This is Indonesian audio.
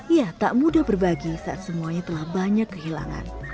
ia tak mudah berbagi saat semuanya telah banyak kehilangan